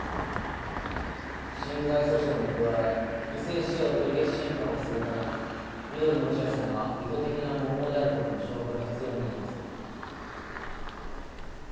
侵害訴訟に加え不正使用取消審判をするため「緑のおチアイさん」が意図的な模倣であることの証拠が必要になります。